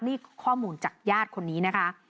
นี่ข้อมูลจากญาติคนนี้นะคะ